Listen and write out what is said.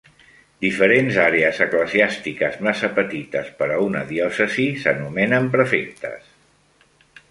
Diferents àrees eclesiàstiques, massa petites per a una diòcesi, s'anomenen prefectes.